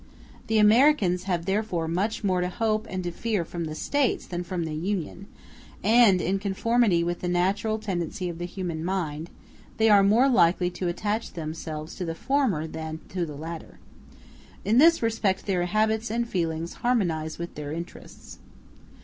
The Americans have therefore much more to hope and to fear from the States than from the Union; and, in conformity with the natural tendency of the human mind, they are more likely to attach themselves to the former than to the latter. In this respect their habits and feelings harmonize with their interests.